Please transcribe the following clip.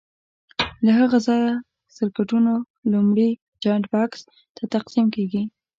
له هغه ځایه سرکټونو لومړني جاینټ بکس ته تقسیم کېږي.